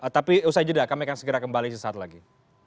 tapi usai jeda kami akan segera kembali sesaat lagi